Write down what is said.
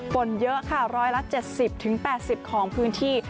ฝนเยอะค่ะ๑๗๐๘๐ของพื้นที่